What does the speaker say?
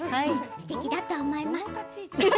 すてきだと思います。